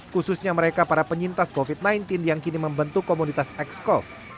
khususnya mereka para penyintas covid sembilan belas yang kini membentuk komunitas excov